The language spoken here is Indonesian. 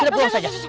tidak perlu saja